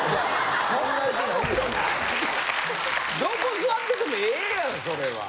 どこ座っててもええやんそれは。